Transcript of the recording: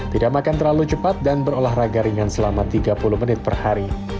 tidak makan terlalu cepat dan berolahraga ringan selama tiga puluh menit per hari